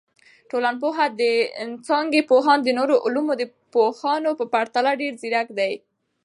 ټولنپوهنه د څانګي پوهان د نورو علومو د پوهانو په پرتله ډیر ځیرک دي.